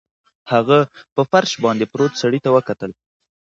هغه په فرش باندې پروت سړي ته وکتل